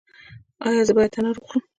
ایا زه باید انار وخورم؟